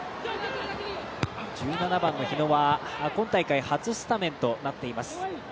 １７番、日野は今大会初スタメンとなっています。